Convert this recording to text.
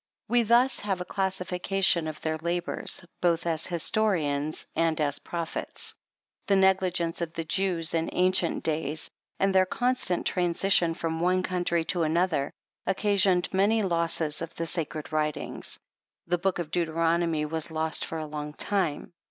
We thus have a classification of their labors, both as historians and as prophets. The ne gligence of the Jews in ancient days, and their constant transition from one country to another, occasioned many losses of the sacred writings. The Book of Deuteronomy was lost for a long time.